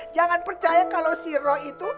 jangan percaya kalau si roh itu